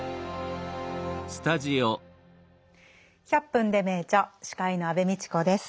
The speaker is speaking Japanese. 「１００分ｄｅ名著」司会の安部みちこです。